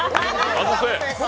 外せ！